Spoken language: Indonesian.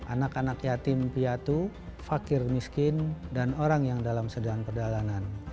anak anak yatim piatu fakir miskin dan orang yang dalam sedang perjalanan